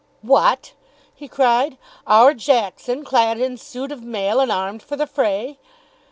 "What!" he cried. "Our Jackson clad in suit of mail and armed for the fray!"